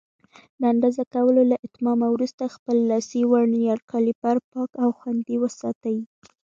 د اندازه کولو له اتمامه وروسته خپل لاسي ورنیر کالیپر پاک او خوندي وساتئ.